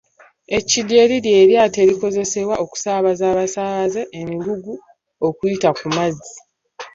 Ekidyeri lye lyato erikozesebwa okusaabaza abasaabaze, emigugu okuyita ku mazzi.